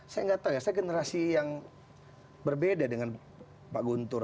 saya nggak tahu ya saya generasi yang berbeda dengan pak guntur